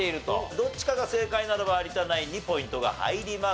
どっちかが正解ならば有田ナインにポイントが入ります。